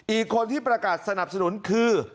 อีกคนที่ประกาศสนับสนุนคือ